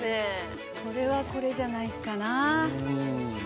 これはこれじゃないかな？